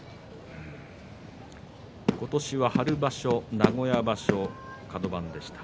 今年は春場所、名古屋場所カド番でした。